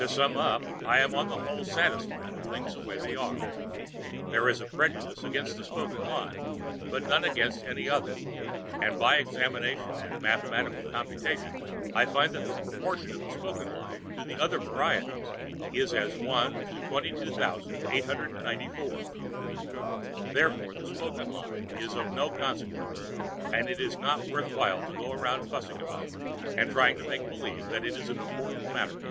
To sum up, on the whole I am satisfied with things the way they are. There is a prejudice against the spoken lie, but none against any other, and by examination and mathematical computation I find that the proportion of the spoken lie to the other varieties is as 1 to 22,894. Therefore the spoken lie is of no consequence, and it is not worth while to go around fussing about it and trying to make believe that it is an important matter.